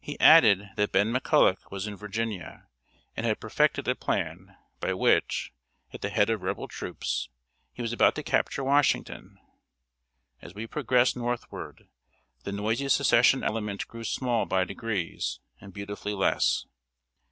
He added, that Ben McCulloch was in Virginia, and had perfected a plan by which, at the head of Rebel troops, he was about to capture Washington. As we progressed northward, the noisy Secession element grew small by degrees, and beautifully less.